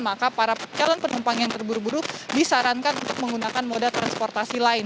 maka para calon penumpang yang terburu buru disarankan untuk menggunakan moda transportasi lain